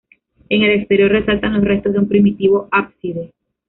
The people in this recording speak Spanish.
En el exterior resaltan los restos de un primitivo ábside.